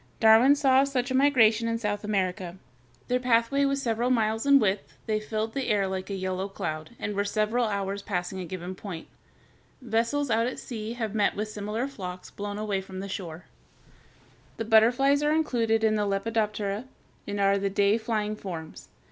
Darwin saw such a migration in South America. Their pathway was several miles in width, they filled the air like a yellow cloud, and were several hours passing a given point. Vessels out at sea have met with similar flocks blown away from the shore. [Illustration: FIG. 236. Peacock butterfly.] [Illustration: FIG. 237. Silkworm moth.] The butterflies are included in the Lepidoptera, and are the day flying forms.